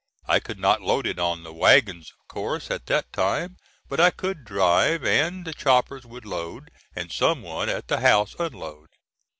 I could not load it on the wagons, of course, at that time, but I could drive, and the choppers would load, and some one at the house unload.